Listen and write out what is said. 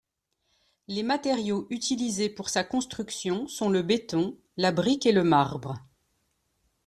Les matériaux utilisés pour sa construction sont le béton, la brique et le marbre.